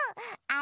「あ！」